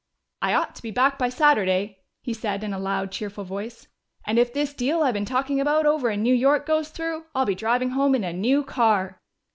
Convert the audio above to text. "I ought to be back by Saturday," he said in a loud, cheerful voice. "And if this deal I've been talking about over in New York goes through, I'll be driving home in a new car."